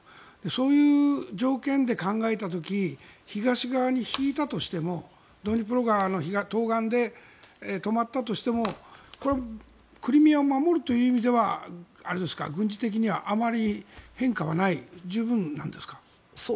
そういう条件で考えた時東側に引いたとしてもドニプロ川の東岸で止まったとしてもこれはクリミアを守るという意味では軍事的にはあまり変化はない十分なんですか？